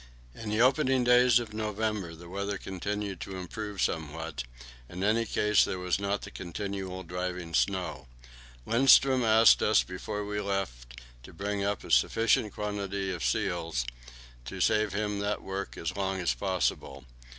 In the opening days of November the weather conditions began to improve somewhat; in any case, there was not the continual driving snow. Lindström asked us before we left to bring up a sufficient quantity of seals, to save him that work as long as possible.